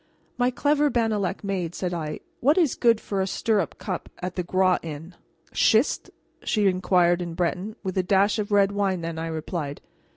"My clever Bannalec maid," said I, "what is good for a stirrup cup at the Groix Inn?" "Schist?" she inquired in Breton. "With a dash of red wine, then," I replied.